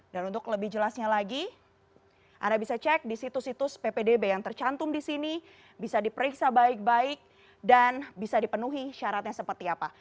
dan untuk lebih jelasnya lagi anda bisa cek di situs situs ppdb yang tercantum di sini bisa diperiksa baik baik dan bisa dipenuhi syaratnya seperti apa